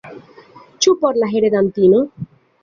Ĉu por la heredantino?